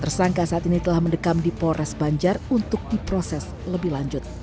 tersangka saat ini telah mendekam di polres banjar untuk diproses lebih lanjut